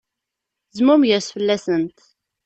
Zmumeg-as fell-asent.